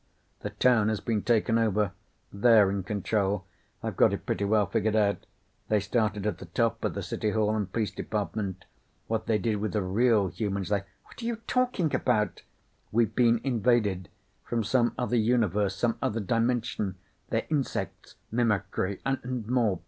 "The town has been taken over. They're in control. I've got it pretty well figured out. They started at the top, at the City Hall and police department. What they did with the real humans they " "What are you talking about?" "We've been invaded. From some other universe, some other dimension. They're insects. Mimicry. And more.